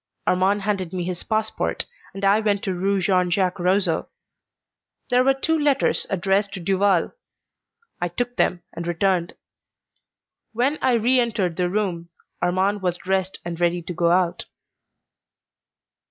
Armand handed me his passport, and I went to Rue Jean Jacques Rousseau. There were two letters addressed to Duval. I took them and returned. When I re entered the room Armand was dressed and ready to go out.